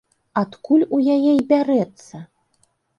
Адкуль у яе й бярэцца?